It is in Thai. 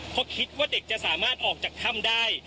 เพราะคิดว่าเด็กจะสามารถออกจากถ้ำได้